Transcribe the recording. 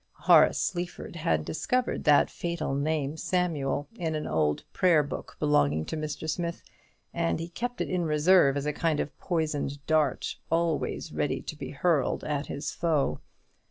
Horace Sleaford had discovered that fatal name, Samuel, in an old prayer book belonging to Mr. Smith; and he kept it in reserve, as a kind of poisoned dart, always ready to be hurled at his foe.